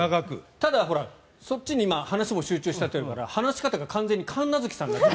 ただ、そっちに話も集中しちゃってるから話し方が完全に神奈月さんになってる。